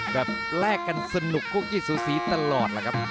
แลกกันสนุกพวกกี้สูสีตลอดล่ะครับ